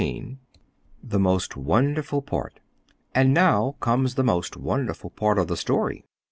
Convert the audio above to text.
XIV THE MOST WONDERFUL PART And now comes the most wonderful part of the story!